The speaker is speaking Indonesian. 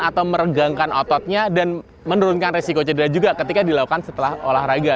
atau meregangkan ototnya dan menurunkan resiko cedera juga ketika dilakukan setelah olahraga